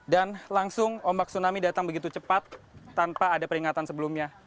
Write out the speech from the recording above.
dan langsung ombak tsunami datang begitu cepat tanpa ada peringatan sebelumnya